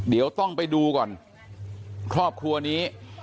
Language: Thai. เดี๋ยวต้องไปดูก่อนครอบครัวนี้